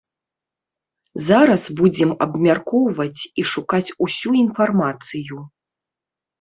Зараз будзем абмяркоўваць і шукаць усю інфармацыю.